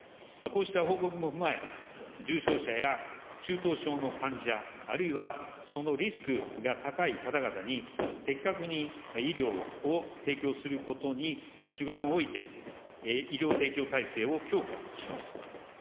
こうした報告も踏まえ、重症者や中等症の患者、あるいはそのリスクが高い方々に、的確に医療を提供することに主眼を置いて、医療提供体制を強化します。